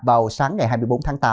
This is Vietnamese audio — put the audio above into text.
vào sáng ngày hai mươi bốn tháng tám